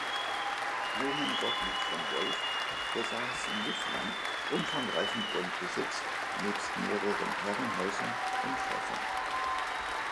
Johann Gottlieb von Wolff besaß in Livland umfangreichen Grundbesitz nebst mehreren Herrenhäusern und Schlössern.